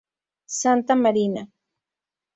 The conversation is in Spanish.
Santa Marina.